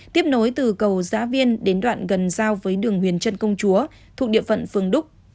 tiếp nối từ cầu giã viên đến đoạn gần giao với đường huyền trân công chúa thuộc địa phận phường đúc